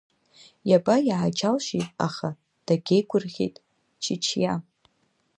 Иаба, иааџьалшьеит, аха дагьеигәырӷьеит Чычиа.